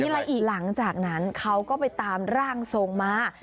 อะไรอีกหลังจากนั้นเขาก็ไปตามร่างทรงมา